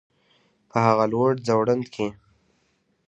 په هغه لوړ ځوړند کي